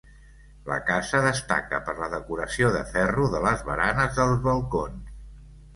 La casa destaca per la decoració de ferro de les baranes dels balcons.